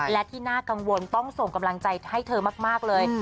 และที่น่ากังวลต้องส่งกำลังใจให้เธอมากเลย